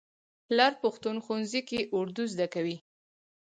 لر پښتون ښوونځي کې اردو زده کوي.